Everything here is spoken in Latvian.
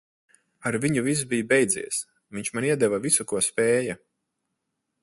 Ar viņu viss bija beidzies. Viņš man iedeva visu, ko spēja.